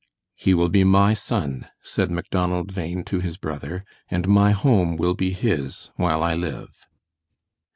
"He will be my son," said Macdonald Bhain to his brother; "and my home will be his while I live."